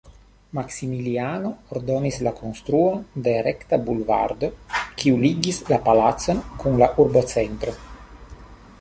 Maksimiliano ordonis la konstruon de rekta bulvardo, kiu ligis la palacon kun la urbocentro.